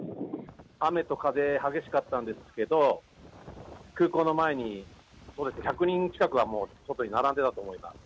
雨と風、激しかったんですけれども、空港の前に１００人近くはもう外に並んでたと思います。